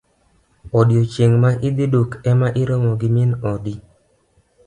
Odiochieng' ma idhi duk ema irome gi min odi.